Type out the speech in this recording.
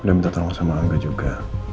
udah minta tolong sama angga juga